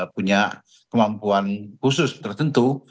punya kemampuan khusus tertentu